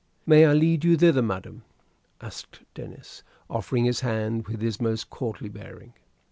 "May I lead you thither, madam?" asked Denis, offering his hand with his most courtly bearing.